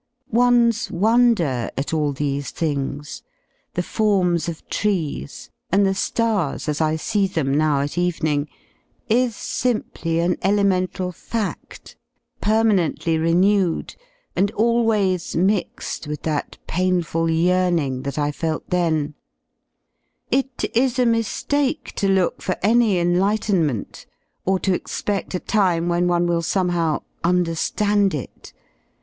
One's wonder at all these things, the forms of trees and the ^ars as I see them now at evening, is simply an elemental fad, permanently renewed and always mixed with that painful yearning that I felt then: it is a mi^ake to look for any enlightenment or to exped a time when one ^will somehow "underhand it."